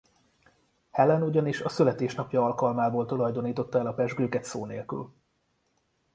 Helen ugyanis a születésnapja alkalmából tulajdonította el a pezsgőket szó nélkül.